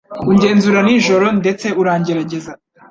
ungenzura nijoro ndetse urangerageza